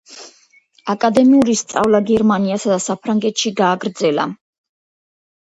აკადემიური სწავლა გერმანიასა და საფრანგეთში გააგრძელა.